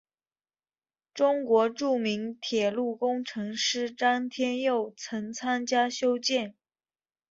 中国著名铁路工程师詹天佑曾参与修建。